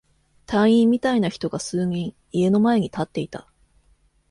隊員みたいな人が数人、家の前に立っていた。